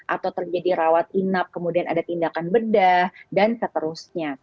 atau terjadi rawat inap kemudian ada tindakan bedah dan seterusnya